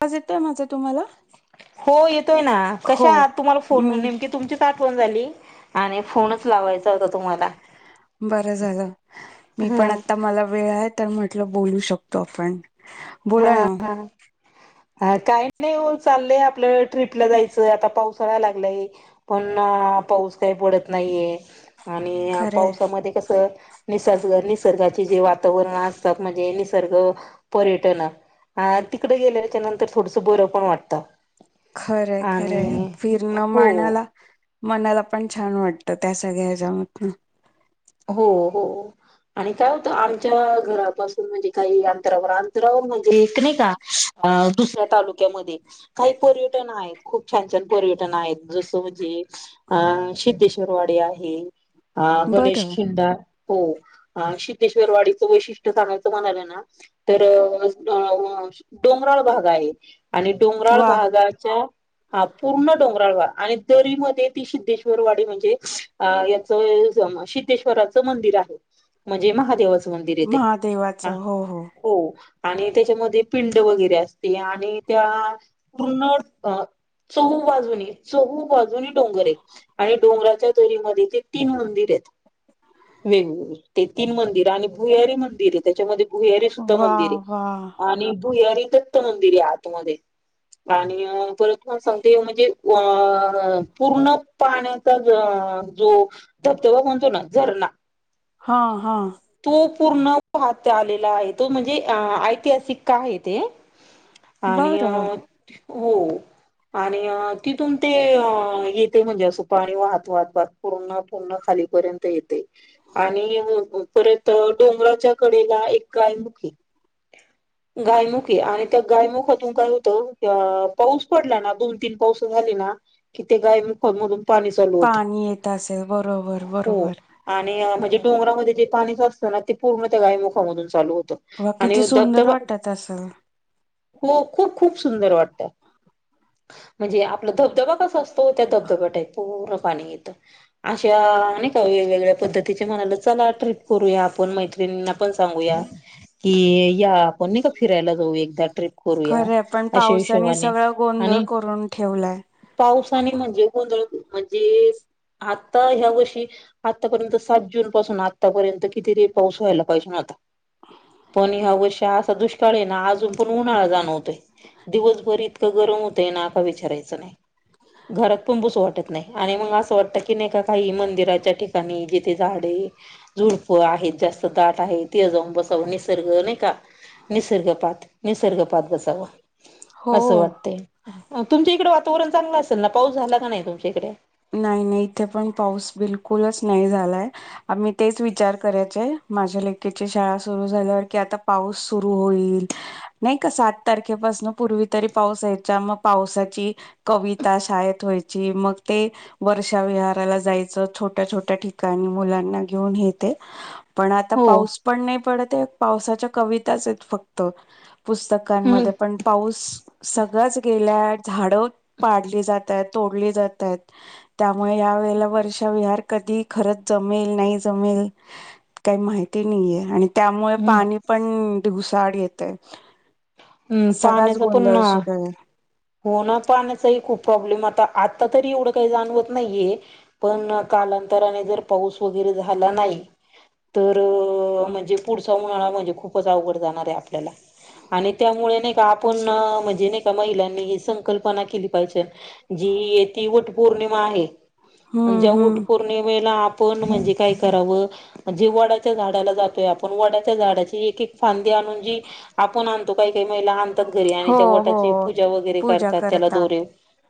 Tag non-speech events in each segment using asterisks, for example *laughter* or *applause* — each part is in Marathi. आवज येतोय माझं तुम्हाला हो येतोय ना हो कशा आहात तुम्हाला फोन मी नेमकी तुमचीच आठवण झाली. आणि फोनच लावायचा होता तुम्हाला बरं झालं. मी ह पण आता मला वेळ हाय तर म्हटलं बोलू शकतो आपण बोला हा ना ह हा काही नाही वो चाललंय आपलं ट्रिपला जायचं आता पाऊसाळा लागलंय पण पाऊस काही पडत नाहीये. आणि खरंय पावसामध्ये कसं निसद निसर्गाचे जे वातावरण असतात म्हणजे निसर्ग पर्यट टन हा तिकड गेल्याच्या नंतर थोडस बरं पण वाटतं. खरय खरय आणि फिरणं हो मानाला मनाला पण छान वाटतं त्या सगळ्या ह्याज्या म हो हो आणि काय होतं आमच्या घरापासून म्हणजे काही अंतरावर अंतरावर म्हणजे एक नही का दुसऱ्या तालुक्यामध्ये काही पर्यट टन आहेत खूप छान छान पर्यटन आहेत. जसं म्हणजे अ सिद्धेश्वरवाडी आहे. अ गणेश बरं खिंडा हो अ सिधेश्वर वाडीच वैशिष्ट सांगायचं म्हणालो ना तर *unintelligible* डोंगराळ भाग आहे. आणि डोंगराळ वा भागाच्या हा पूर्ण डोंगराळवा आणि दरीमध्ये ती सिद्धेश्वर वाडी म्हणजे याच *unintelligible* सिद्धेश्वराच मंदिर आहे म्हणजे महादेवाच मंदिर येतय हा हो. आणि त्याच्यामध्ये पिंड वगैरे असते आणि त्या पूर्ण अ चहू बाजूनी चहू बाजूनी डोंगर येत आणि डोंगराच्या दरीमध्ये ते तीन मंदिर येत. वेगवेग ते तीन मंदिर आणि भुयारी मंदिर ये त्याच्यामध्ये भुयारी सुद्धा वा मंदिर ये वा आणि भुयारी दत्त मंदिर ये आतमध्ये आणि परत तुम्हाला सांगते म्हणजे अ पूर्ण पाण्याचा जो धबधबा म्हणतो ना झरणा. हा हा. तो पूर्ण पाहात आलेला आहे तो म्हणजे ऐतिहासिक का आहे ते. आणि बरं अ हो. आणि तिथून ते येते म्हणजे अस पाणी वाहत वाहात भात पूर्ण पूर्ण खालीपर्यंत ते येते आणि परत डोंगराच्या कडेला एक गाय मुखी *inaudible* गायमुखे आणि त्या गायमुखातून काय होतं पाऊस पडला ना दोन तीन पाऊस झाली ना. किथ गायमुखा मदुन पाणी येत असेल बरोबर. हो बरोबर आणि म्हणजे डोंगरामध्ये जे पाणी असतं ना ते पूर्ण त्या गायमुखामधून चालू होत. वा किती आणि सुंदर धबधबा वाटत असेल खूप खूप सुदर वाटत म्हणजे आपला धबधबा कसा असतो त्या धबधबा्या टा पाणी येत अशा वेगवेगळ्या पद्धतीचे म्हणाला चला ट्रिप करूया आपण मैत्रिणीना पण सांगूया. कि या आपण नाही का फिरायला जाऊ एकदा ट्रिप करूया खरंय पण अशा पावसाने हिशोबाने सगळा गोंधळ आणि करून ठेवलाय पाऊस पाणी म्हणजे गोंधळ म्हणजे आता ह्या वर्षी. आतापर्यंत सात जून पासून आत्तापर्यंत कितीतरी पाऊस व्हायला पाहिजे होता. पणी अवश्य. चा दुष्काळ आहे ना अजून पण उन्हाळा जाणवतोय दिवसभर इतकं गरम होतंय ना का विचारायच. घरात पण बस वाटत नाही आणि मग असं वाटत की नाही काही मंदिराच्या ठिकाणी. ठिकणी जिथे झाडे झुडप आहेत जास्त दाट आहे त जाऊन बसावं निसर्ग नाही का निसर्गपात निसर्गपात बसाव. हो असं वाटते तुमच्या इकड वातावरण चांगलं अस. त्यांना पाऊस झाला का नाही तुमच्याकडे. ुच नाही झालाय आ तेच विचार करायचे माझ्या लेकीची शाळा सुरु झाल्यावर पाऊस सुर होईल नाही का सात तारखेपास पूर्वी तरी पाऊस यायचा मग. पावसाची कविता शाळेत. य मग ते वर्षा विहाराला जायचं छोट्या छोट्या ठिकाणी मुलांना घेऊन हे ते. पण आता हो. पाऊस पण नाही पडत आहे पावसाच्या कविताच आहेत फक्त. हम्म पुस्तकांमध्ये पण पाऊस सगळंच गेल्या झाडं पाडली जात. त्यामुळे वर्ष विह कधी खर जमेल नाही काही माहिती नाहीय आणि त्यामुळे हम्म पाणी पण धुसाड येतेय. हम्म पाण्याचा पुन्हा होन पाण्याचाही खूप प्रॉब्लेम आता आता तरी एवढं काही जाणवत नाहीये पण काल कालांतराने जर पाऊस वगैरे झाला नाही. तर म्हणजे पुढचा उनळा म्हणजे खूपच अवघड जाणार आहे आपल्याला आणि त्यामुळे नाही का आपण म्हणजे नाही का महिलांनी संकल्पना केली पाहिजे. जी ती वट पौर्णिमा आहे हम्म ज्या वट हम्म पौर्णिमेला आपण म्हणजे काय कराव म्हणे वडाच्या झाडाला जातोय आपण वडाच्या झाडाची ते आणून जे आपण आणतो काही काही महिला आणतात घरी आणि हो त्या हो वटाची पूजा. पूजा वगैरे करतात त्याला दोरेव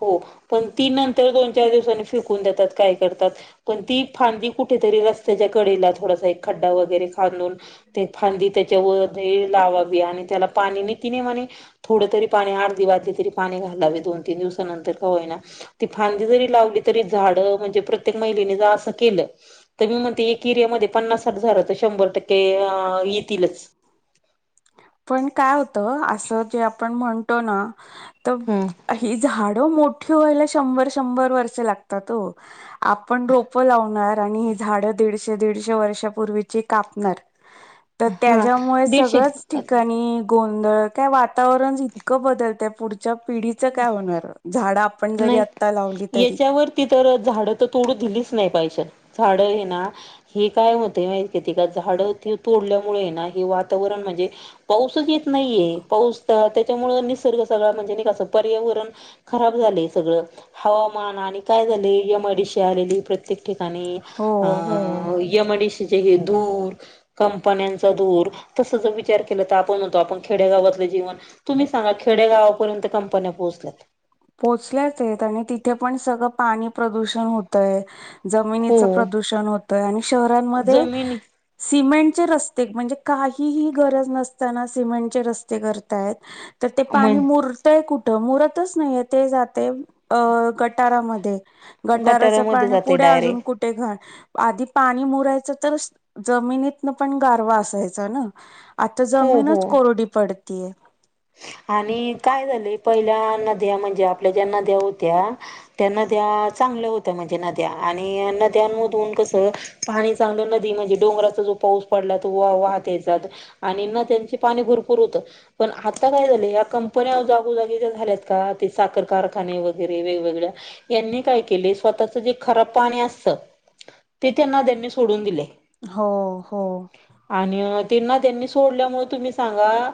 हो पण ती नंतर दोन चार दिवसांनी फेकून देतात काय करतात पण ती फांदी कुठेतरी रस्त्याच्या कडेला थोडास एक खड्डा वगैरे खांदून ती फांदी त्या त्यामुळे ती लावावी आणि त्यालापाणी निती नियमाने थोडं तरी पाणी अ पाणी घालावे दोन-तीन दिवसानंतर का होय ना ती फांदी जरी लावली तरी झाड म्हणजे. जर प्रत्येक महिलेने जर असं केलं तर मी म्हणते एक एरिया मध्ये पण पन्नास साठ झाडं शंभर टक्के ह येतीलच. पण काय होत अस जे आपण म्हणतो ना.. त हम्म अही झाड. मोठी व्हायला शंभर शंभर वर्ष लातात हो पण डोकं लावणार आणि. झाड दीडशे दीडशे वर्षापूर्वीची कापणार तर हा त्याच्यामुळे सगळंच. दीडशे ठिकाणी गोंधळ काय वातावरण इतकं बदलत पिढीच काय होणार झाड. नाही याच्यावरती तर झाड तर तोडू दिलीच नाही झाड हे ना हे काय होते माहिती का झाड अति तोडल्यामुळे हे व. वातावरण म्हणजे पाऊसच येत नाहीये पाऊस त्याच्यामुळे निसर्ग सगळा म्हणजे क पर्या. खराब झा सगळ हवामान आणि काय झाले यमाडीशी आलेली प्रत्येक. ठिकाणी हो हो एमआयडीसी. जे हे धूर कंपण्यांचा धूर तसा जर विचार केला तर आपण म्हणत आपण खेडेगावा. ज तुम्ही सांग खेडेगावापर्यंत कंपन्या पोहच. पोहोचल्याच आहेत आणि तिथे पण सगळं पाणी प्रदूषण होतय. हो जमिनीचं प्रदूषण होतंय आणि शहरांमध्ये जमीन सिमेंट. र म्हणज काही गरज नसना समेंट रस्ते करता. तर ते पाणी म्हण मुरतय कुठं मुरतच नाहीये ते जाते अ गटारामध्ये. गटाराचं गटारामध्ये पाणी जाते पुढे अजून डायरेक्ट. कुठे घ. आधी पाणी मुरायचं तर जमिनीतन पण गारवा असायचा ना. आता हो जमीनच हो. कोरडी पडतीय. आणि काय झाले पहिल्या नद्या म्हणजे आपल्या ज्या नद्या होत्या त्या नद्या चांगल्या होत्या म्हणजे नद्या. आणि नद्यांमधून कसं पाणी चांगलं नदी म्हणजे डोंगराचा जो पाऊस पडला तो वा वा. त्यां पाणी भरपूर होत पण आ. ता काय झा या कंपन्याजगोजागीच्या झाल्यात का ते साखर कारखाने वगैरे वेगवेगळ्या यात. त्यांनी काय केले स्वतःच जे खराब पाणी असत ते त्यांना त्यांनी सोडून दिले. हो ह. आणि त्यांना त्यांनी सोडल्यामुळे तुम्ही सांगा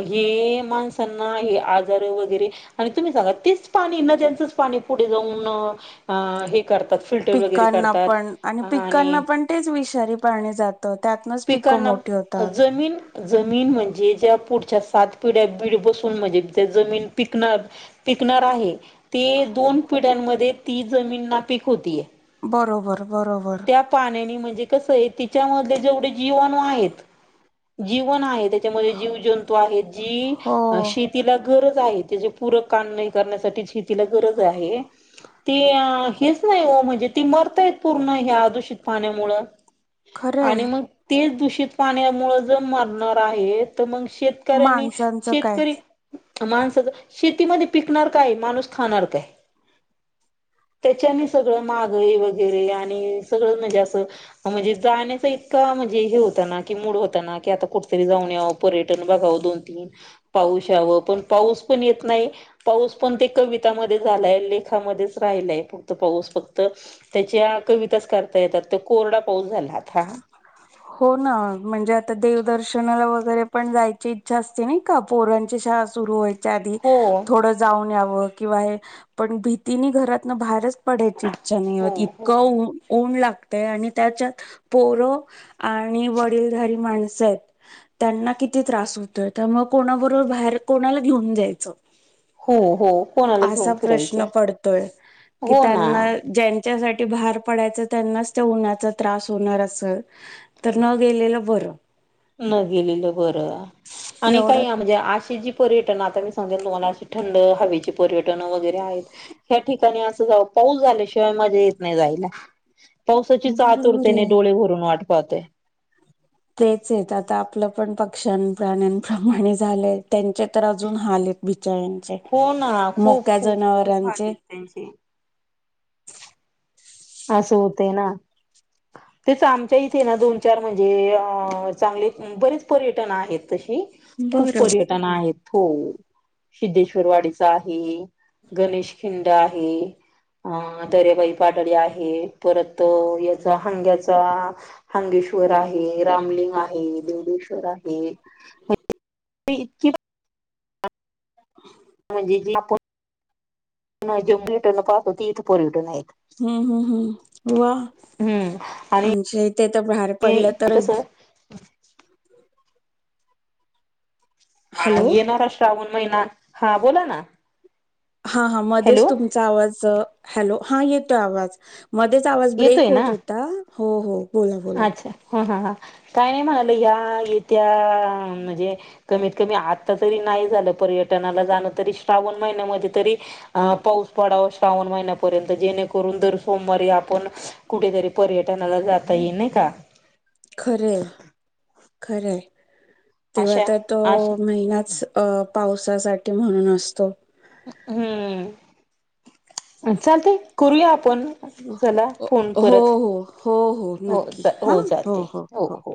घे. माणसांना हे आजार वगैरे आणि तुम्ही सांगा तेच पाणी न त्यांचंच पाणी पुढे जाऊन. अ हे. करतात फिल्टर वगैरे पिकांना करतात पण आणि पिकांना पण तेच विषारी पाणी जात त्यातनच प. जमीन जमीन म्हणजे. पुढच्या सात पिढ्या बीड बसून म्हणजे जमीन पिक पिकणार आहे. ते दोन पिढ्यांमध्ये ती जमीन नापिक होतीय.. बरोबर. बरोबर त्या पाण्यानी म्हणजे. कस तिच्यामध्ये जेवढे जीवन आहेत जीवन आहेत. त्याच्यामध्ये जीव जंतू आहेत जी हो शेतीला. गरज आहे त्या पूर का करण्यासाठी तिला गरज आहे तेच. नाही म्हणजे ती मरतात पूर्ण. ूषित पाण्यामुळे खरंय आणि मग ते दू. दषित पाण्यामुळे ज मारणार आहे तर मग शेतकऱ्यांनी माणसांचं काय शेतकरी. माणसाच शेतीमध्ये पिकणार काय माणूस खाणार काय. त्याच्याने सगळं मागळी वगैरे आणि. सगळ म्हणजे अस म्हणजे जाण्याच इतका म्हणजे हे होताना की मूड होताना की आता क. ऊ पर्य दोन त पाऊस पण पाऊस पण येत नाही पा. स पण ते कवितामध्ये झालाय लेखामध्येच राहिलाय फक्त पाऊस फक्त त्याच्या. कविताच करता येतात त कोरडा पाऊस झाला हा. हो ना म्हणजे आता देवदर्शनाला वग. ण इछा अस सु आध हो थऊ. किं पण भीती घरात बाहेरच पडा च्छ नाही हो होत हो इतकंऊ ऊन लागतय आणि त्याच्यात पोर आणि वडीलधारी माणसं आहेत त्यांना किती त्रास होतो त्यामुळे कोणाबरोबर बाहेर कोणाला घेऊन जायचं हो हो कोणाला असा घेऊन प्रश्न फिरायचं पडतोय की हो ना त्यांना ज्यांच्यासाठी बाहेर पडायच त्यांनाच त्या उन्हाचा त्रास होणार अस तर न गेलेलं बरं न गेलेलं बरं आणि एवढं काही म्हणजे अशी जी पर्यट आ से तुम्हाला थंड हवेचे पर्यटन वगैरे आहेत ह ठिकाणी असऊ ल्याशिवाय मजा येत नाही जायला पावसाचीच बरोबर आहे. आतुरतेने डोळे भरून वाट पाहतय तेच आहेत आता आपलं पण पक्ष्यां प्राण्यांप्रमाणे झालंय त्यांचे तर अजून हाल आहेत हो ना खूप मोक्या खूप खूप हाल जनावरांचे आहेत त्यांचे. अस असं होते ना तेच आमच्या इथे ना दोन चार म्हणजे अ चांगले बरेच पर्यटन आहेत तशी खूप बरं पर्यटन आहेत हो सिद्धेश्वर वाडीचा आहे गणेश खिंड आहे हा त पई पाडळी आहे परत याचा हंग्याचा हगेश्वर आहे रामलिंग आहे देडेश्वर आहे इतकी म्हणजे जे आपण जेट पाहतो ती इथ पोरविटून हम्म हम्म हम्म वा हम्म आणि आमच्या इथे तर बाहेर पडल्या कसं तरच हा हॅलो येणारा श्रावण महिना हा बोला ना हा हा मध्येच हॅलो तुमचा आवाज हॅलो हा येतोय आवाज मध्येच आवाज ब्रेक येतोय होत ना होता हो हो बोला बोला अच्छा ह ह काय नाही म्हणाला या येत्या म्हणजे कमीत कमी आता तरी पर्यटनाला जाण तरी श्रावण महिन्यामध्ये पाऊस पडा श्रावण महि्या जेकरून सोमवारी आपण कुठेतरी पर्यटनाला जाता ये नाही का खरे खरे तेव्हा अशा तर तो अशा महिनाच अ पावसासाठी म्हणून असतो हम्म चालत करूया आपण चला फोन हो परत हो हो हो नक्की हा हो जाते हो हो